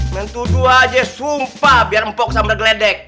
menuduh aja sumpah biar empok sama bergeledek